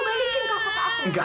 balikkan kamu ke aku